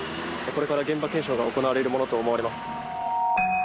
「これから現場検証が行われるものと思われます」